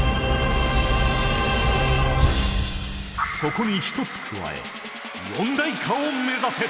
そこに１つ加え四大化を目指せ！